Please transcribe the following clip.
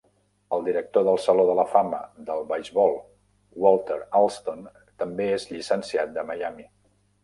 El director del Saló de la Fama del Beisbol Walter Alston també és llicenciat de Miami.